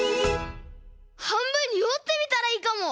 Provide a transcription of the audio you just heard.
はんぶんにおってみたらいいかも！